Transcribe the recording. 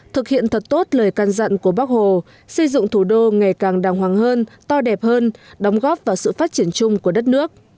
thực hiện thật tốt lời can dặn của bác hồ xây dựng thủ đô ngày càng đàng hoàng hơn to đẹp hơn đóng góp vào sự phát triển chung của đất nước